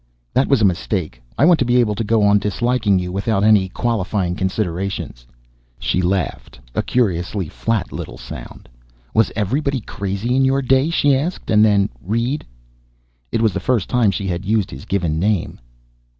"That was a mistake. I want to be able to go on disliking you without any qualifying considerations." She laughed, a curiously flat little sound. "Was everybody crazy in your day?" she asked. And then, "Reed " It was the first time she had used his given name.